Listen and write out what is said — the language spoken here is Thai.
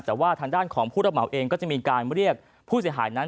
แต่ว่าทางด้านของผู้รับเหมาเองก็จะมีการเรียกผู้เสียหายนั้น